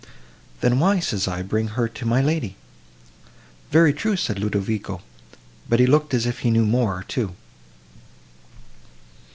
Then why, says I, bring her to my lady? Very true, said Ludovico; but he looked as if he knew more, too."